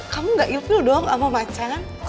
kamu gak ilfil doang sama macan